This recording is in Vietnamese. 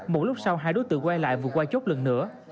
một lúc sau hai đối tượng quay lại vừa qua chốt lần nữa